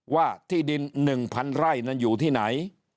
ว่าที่ดิน๑๐๐ไร่นั้นอยู่ที่ไหน